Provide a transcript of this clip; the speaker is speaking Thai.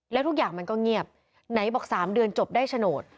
แล้วทุกอย่างมันก็เงียบไหนบอก๓เดือนจบได้โฉนด